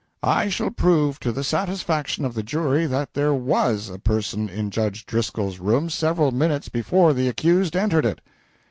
] I shall prove to the satisfaction of the jury that there was a person in Judge Driscoll's room several minutes before the accused entered it.